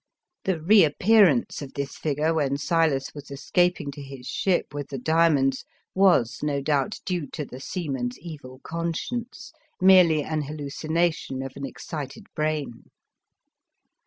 The reappearance of this figure when Silas was escaping to his ship with the dia monds was no doubt due to the sea man's evil conscience — merely an hallu cination of an excited brain.